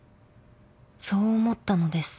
そう思ったのです］